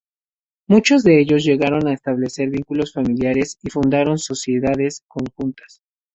Muchos de ellos llegaron a establecer vínculos familiares y fundaron sociedades conjuntas.